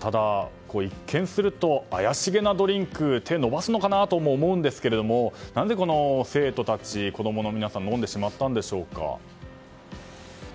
ただ、一見すると怪しげなドリンクに手を伸ばすのかなと思うんですが何で生徒たち、子供の皆さんは飲んでしまったんでしょうか？